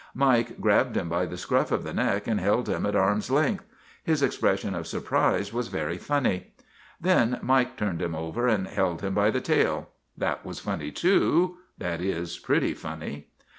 Mike grabbed him by the scruff of the neck and held him at arm's length; his expression of surprise was very funny. Then Mike turned him over and held him by the tail. That was funny, too that is, pretty funny.